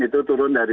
itu turun dari sepuluh